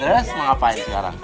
yes mau ngapain sekarang